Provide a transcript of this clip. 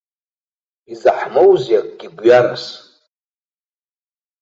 Изаҳмоузеи акгьы гәҩарас?